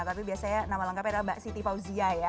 tapi biasanya nama lengkapnya adalah mbak siti fauzia ya